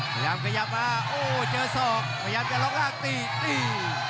พยายามเขยับมาโอ้เจอสมพยายามจะรอกากตีตี